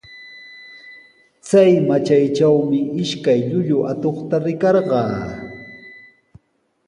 Chay matraytraqmi ishkay llullu atuqta rikarqaa.